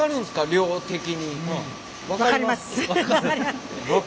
量的に。